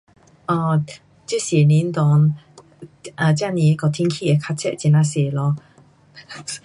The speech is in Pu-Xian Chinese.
um 这十年内 ,um 真是那个天气会较热很呐多咯。